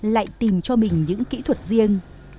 lại tìm cho mình những kỹ thuật riêng